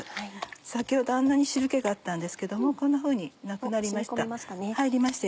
先ほどあんなに汁気があったんですけどもこんなふうになくなりました。